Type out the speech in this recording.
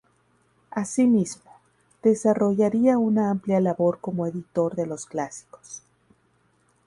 Asimismo, desarrollaría una amplia labor como editor de los clásicos.